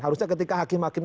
harusnya ketika hakim hakim